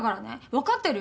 分かってる？